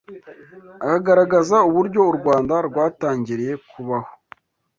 akagaragaza uburyo u Rwanda rwatangiriye kubaho